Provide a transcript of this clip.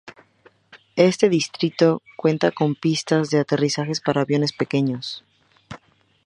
Este distrito cuenta con pistas de aterrizajes para aviones pequeños.